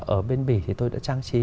ở bên bỉ thì tôi đã trang trí